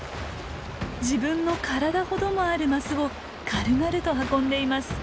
自分の体ほどもあるマスを軽々と運んでいます。